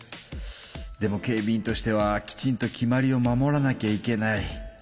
でも警備員としてはきちんと決まりを守らなきゃいけない。